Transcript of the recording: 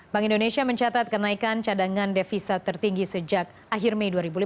bank indonesia mencatat kenaikan cadangan devisa tertinggi sejak akhir mei dua ribu lima belas